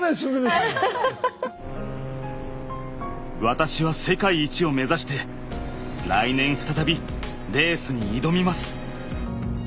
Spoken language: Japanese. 私は世界一を目指して来年再びレースに挑みます。